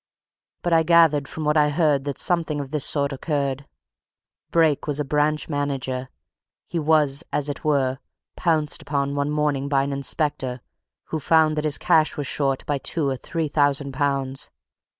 But I gathered from what I heard that something of this sort occurred. Brake was a branch manager. He was, as it were, pounced upon one morning by an inspector, who found that his cash was short by two or three thousand pounds.